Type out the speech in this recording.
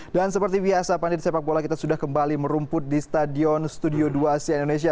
dan seperti biasa pandai sepak bola kita sudah kembali merumput di stadion studio dua c indonesia